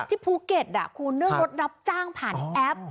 ภูเก็ตคุณเรื่องรถรับจ้างผ่านแอป